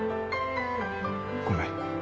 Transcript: ごめん。